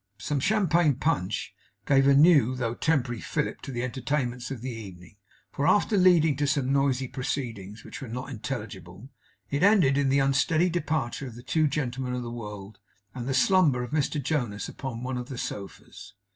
Some Champagne Punch gave a new though temporary fillip to the entertainments of the evening. For after leading to some noisy proceedings, which were not intelligible, it ended in the unsteady departure of the two gentlemen of the world, and the slumber of Mr Jonas upon one of the sofas.